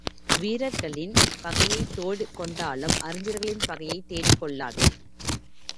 வீரர்களின் பகையைத் தேடிக்கொண்டாலும் அறிஞர்களின் பகையைத் தேடிக்கொள்ளாதே.